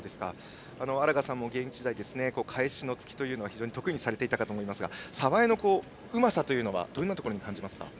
荒賀さんも現役時代返しの突きを非常に得意にされていたと思いますが澤江のうまさはどんなところに感じますか？